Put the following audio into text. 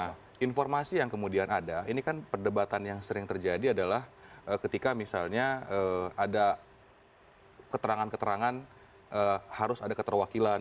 nah informasi yang kemudian ada ini kan perdebatan yang sering terjadi adalah ketika misalnya ada keterangan keterangan harus ada keterwakilan